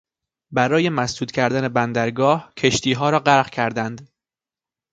برای مسدود کردن بندر گاه کشتیها را غرق کردند.